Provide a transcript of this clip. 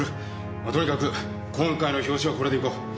まとにかく今回の表紙はこれでいこう。